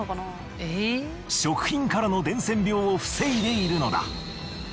食品からの伝染病を防いでいるのだ。